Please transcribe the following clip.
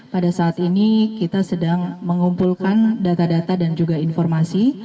pada saat ini kita sedang mengumpulkan data data dan juga informasi